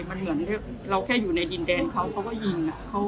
มันเหมือนเราแค่อยู่ในดินแดนเขาเขาก็ยิง